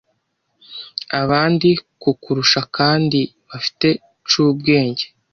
abandi kukurushakandi bafite cubwenge